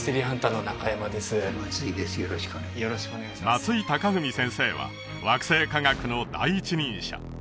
松井孝典先生は惑星科学の第一人者